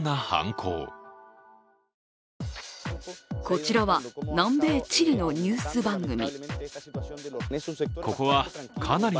こちらは南米チリのニュース番組。